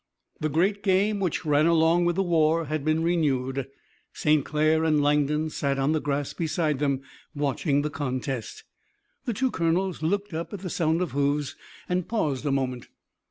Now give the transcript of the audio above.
The great game which ran along with the war had been renewed. St. Clair and Langdon sat on the grass beside them, watching the contest. The two colonels looked up at the sound of hoofs and paused a moment.